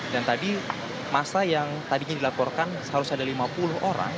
dan tadi masa yang tadinya dilaporkan seharusnya ada lima puluh orang